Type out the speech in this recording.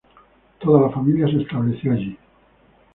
Toda la familia se estableció en St.